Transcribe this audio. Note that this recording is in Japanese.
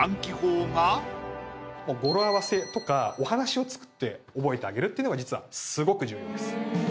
語呂合わせとかお話を作って覚えてあげるっていうのが実はスゴく重要です